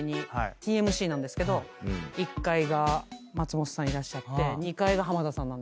ＴＭＣなんですけど１階が松本さんいらっしゃって２階が浜田さんなんですけど。